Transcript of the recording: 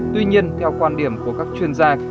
tuy nhiên theo quan điểm của các chuyên gia